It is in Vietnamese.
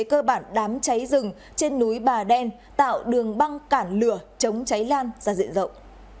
cơ bản đám cháy rừng trên núi bà đen tạo đường băng cản lửa chống cháy lan ra diện rộng